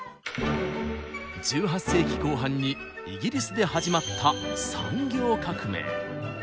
１８世紀後半にイギリスで始まった産業革命。